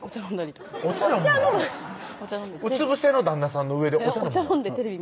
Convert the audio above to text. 飲んでてうつ伏せの旦那さんの上でお茶飲むの？座んの？